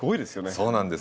そうなんです。